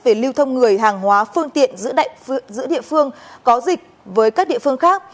về lưu thông người hàng hóa phương tiện giữa địa phương có dịch với các địa phương khác